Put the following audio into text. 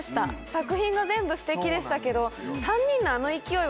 作品が全部ステキでしたけど。